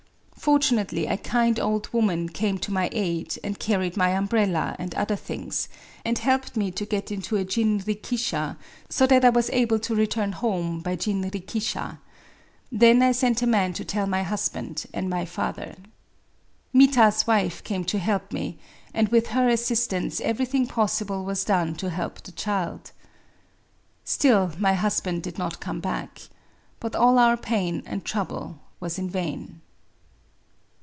Fortunately a kind old woman came to my aid, and carried my umbrella and other things, and helped me to get into a jinrikisha, so that I was able to return home by jinrikisha. Then I sent a man to tell my husband and my father. Mita's wife came to help me ; and with her assistance everything possible was done to help the child. •.• Still my husband did not come back. But all our pain and trouble was in vain.